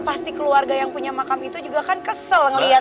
pasti keluarga yang punya makam itu juga kan kesel ngelihat